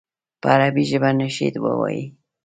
په عربي ژبه نشید ووایي.